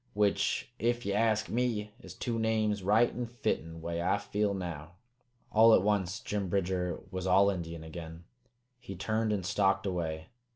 Which, ef ye ask me, is two names right an' fitten, way I feel now." All at once Jim Bridger was all Indian again. He turned and stalked away.